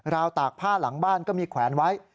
วตากผ้าหลังบ้านก็มีแขวนไว้